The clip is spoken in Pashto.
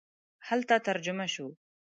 هلته ترجمه شو.